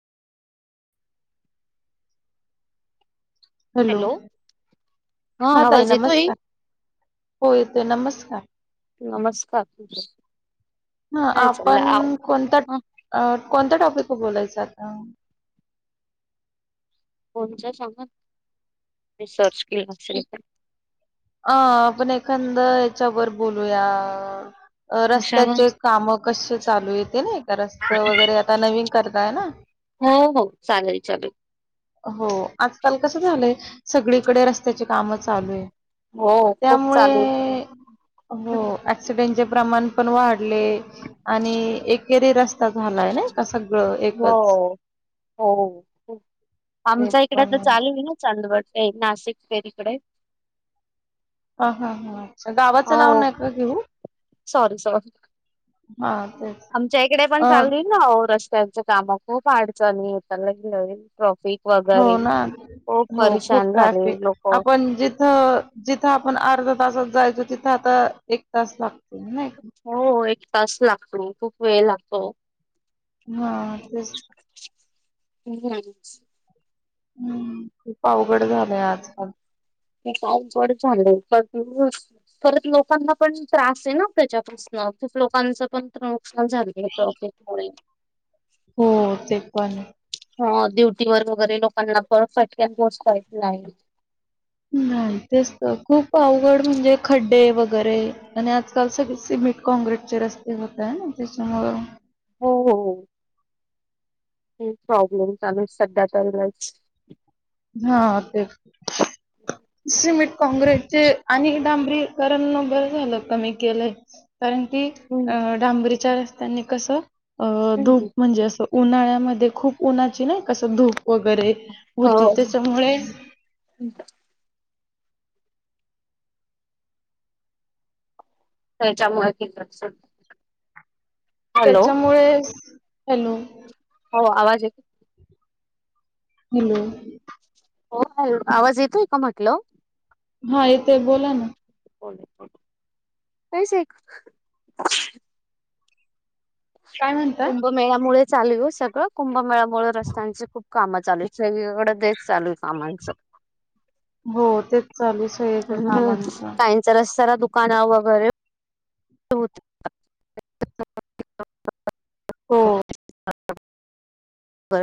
Hello हा ताई आवाज येतोई. नमस्कार हो येतोय नमस्कार. नमस्कार [unintelligible] हा काय आपण चाललं कोणता हं. अ कोणत्या टॉपिक वर बोलायचं आता? कोणच्या शामत मी सर्च केला असेल अं तर आपण एखांद च्या वर बोलूया. कशावर रस्त्याचे कामं कसे चालू येते ना का रस्त वगैरे आता नवीन करताय ना, हो हो चालेल चालेल हो आजकाल कसं झालंय सगळीकडे र कामं चालूय हो खूप त्यामूळे चालू होत हो एक्सीडे हेचं प्रमाण. पण वाढले आणि एक. [inaudible] हो हो ते आमच्या इकड पण तर चालू आहे ना [inaudible] नाशिक फेरीकडे ह हा हा अच्छा गावाचं हो नाव नका घेऊ सॉरी सॉरी हा तेच आमच्या इकडे पण अ चालली ना रस्ते. त्यांच काम खूप अडचणी येताना गेलं ट्रॅफिक हो ना हो खूप झाले ट्रॅफिक लोक आपण जिथं जिथं आपण अर्धा तासात जायचो तिथं आता एक तास लागतो. नाही का हो एक एक तास लागतो खूप वेळ लागतो. हा तेच हम् हम्म खूप अवघड झालंय आजकाल. [unintelligible] झाली प्रॉफिटमुळे हो ते पण हा ड्युटी व वगैरे लोकांना पण फटक्यात पोहोचयच नाही नाही तेच तर खूप अवघड म्हणजे खड्डे वगैरे आणि आजकाल सगळे सिमिट कॉँक्रीटचे रस्ते होत आहे ना त्याच्यामुळ - हो हो हो खूप प्रॉब्लेम चालू सध्या तर लईच. हा ते सिमेंट काँग्रेसचे आणि डांबरीकरण बर झालं कमी केलंय. कारण की अ डांबरी विचार असतानी कसं? अ धूप म्हणजे असं उन्हाळ्यामध्ये खूप उन्हाची नाही कसं धूप वगैरे हो ती त्याच्यामुळे. त्याच्यामुळे कि. त्याच्यामुळे हॅलो. हो आवाज येतोय. हॅलो. हो आवाज येतोय का म्हटलं हा येते बोला ना [inaudible] काय म्हणता कुंभमेळ्यामुळे चालू सगळं कुंभमेळ्यामुळे रस्त्यांचे खूप कामं चालू आहेत सगळीकडे तेच चालू आहेत हो तेच चालूच हाय इथ कामांचं. जरा दुकाना वगैरे. [unintelligible] हो